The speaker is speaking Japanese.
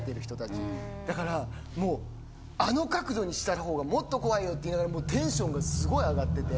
だからもうあの角度にしたほうがもっと怖いよって言いながらテンションがすごい上がってて。